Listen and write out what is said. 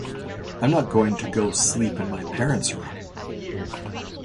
I’m not going to go sleep in my parents’ room.